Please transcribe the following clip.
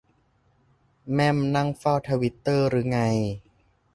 แม่มนั่งเฝ้าทวิตเตอร์รึไง